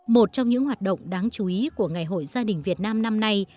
một trong những hoạt động đáng chú ý của ngày hội gia đình việt nam năm nay